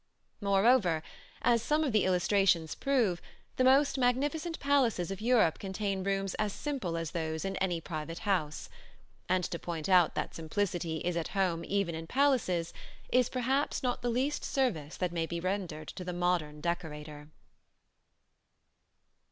Moreover, as some of the illustrations prove, the most magnificent palaces of Europe contain rooms as simple as those in any private house; and to point out that simplicity is at home even in palaces is perhaps not the least service that may be rendered to the modern decorator.